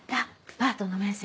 パートの面接。